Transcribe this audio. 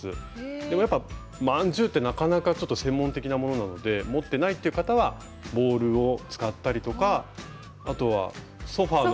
でもやっぱ万十ってなかなかちょっと専門的なものなので持ってないっていう方はボウルを使ったりとかあとはソファの。